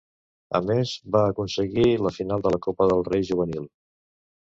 A més, va aconseguir la final de la Copa del Rei Juvenil.